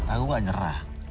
aku gak nyerah